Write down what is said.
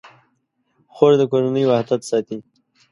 خور د کورنۍ وحدت ساتي.